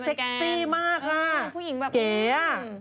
เป็นเกาหลีเหมือนกันฮือผู้หญิงแบบเก๋อ